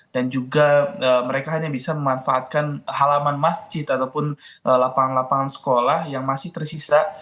dan juga mereka hanya bisa memanfaatkan halaman masjid ataupun lapangan lapangan sekolah yang masih tersisa